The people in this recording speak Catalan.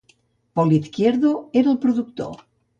Pol Izquierdo era el productor.